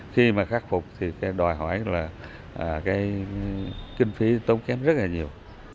khi mà khắc phục thì đòi hỏi là cái kinh phí tốn kém rất là nhiều